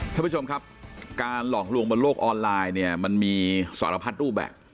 ท่านผู้ชมครับการหลอกลวงบนโลกออนไลน์เนี่ยมันมีสารพัดรูปแบบ